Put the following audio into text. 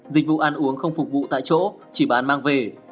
dịch vụ ăn uống không phục vụ tại chỗ chỉ bán mang về